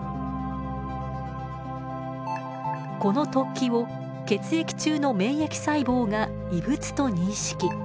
この突起を血液中の免疫細胞が異物と認識。